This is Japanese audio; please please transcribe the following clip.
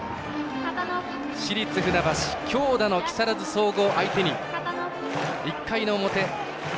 市立船橋強打の木更津総合相手に１回の表。